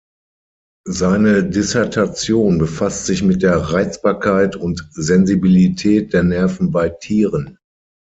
Seine Dissertation befasst sich mit der Reizbarkeit und Sensibilität der Nerven bei Tieren.